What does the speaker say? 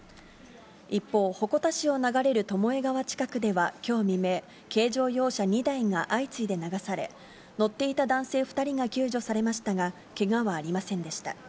一方、鉾田市を流れる巴川近くではきょう未明、軽乗用車２台が相次いで流され、乗っていた男性２人が救助されましたが、けがはありませんでした。